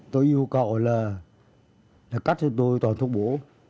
tôi yêu cầu là cắt cho tôi toàn thuốc bổ